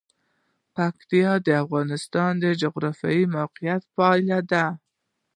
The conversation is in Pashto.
پکتیکا د افغانستان د جغرافیایي موقیعت پایله ده.